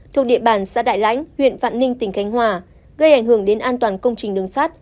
thuộc địa bàn xã đại lãnh huyện vạn ninh tỉnh khánh hòa gây ảnh hưởng đến an toàn công trình đường sắt